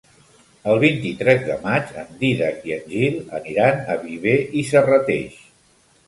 El vint-i-tres de maig en Dídac i en Gil aniran a Viver i Serrateix.